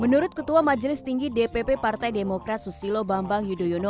menurut ketua majelis tinggi dpp partai demokrat susilo bambang yudhoyono